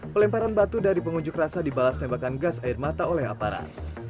pelemparan batu dari pengunjuk rasa dibalas tembakan gas air mata oleh aparat